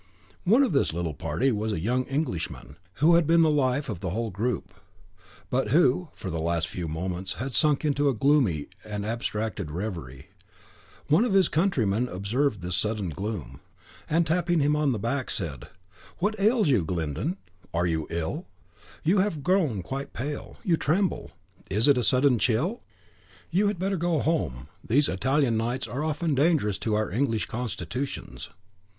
One of this little party was a young Englishman, who had been the life of the whole group, but who, for the last few moments, had sunk into a gloomy and abstracted reverie. One of his countrymen observed this sudden gloom, and, tapping him on the back, said, "What ails you, Glyndon? Are you ill? You have grown quite pale, you tremble. Is it a sudden chill? You had better go home: these Italian nights are often dangerous to our English constitutions."